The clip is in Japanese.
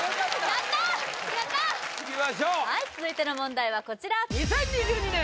やったーいきましょうはい続いての問題はこちら２０２２年